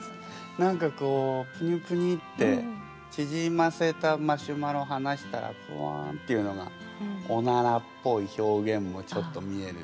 何かこうぷにぷにってちぢませたマシュマロはなしたらふわんっていうのがおならっぽい表現もちょっと見える。